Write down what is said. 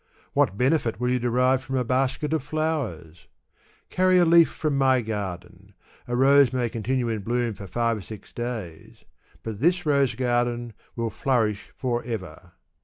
What benefit will you derive from a basket of flowers ? Carry a leaf from my garden : a rose may continue in bloom for Ave or six days ; but this rose garden will flourish forever.